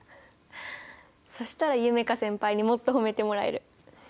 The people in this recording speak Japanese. そしたら夢叶先輩にもっと褒めてもらえる。